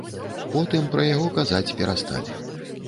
Потым пра яго казаць перасталі.